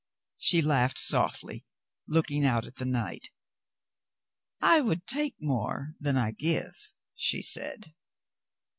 She laughed softly, looking out at the night. "I would take more than I give," she said.